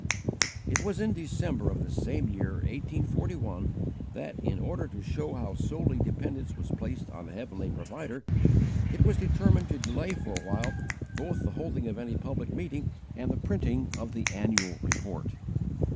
It was in December of this same year, 1841, that, in order to show how solely dependence was placed on a heavenly Provider, it was determined to delay for a while both the holding of any public meeting and the printing of the Annual Report.